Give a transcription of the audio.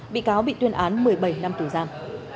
bị cáo bị tuyên án một mươi bảy năm tù giam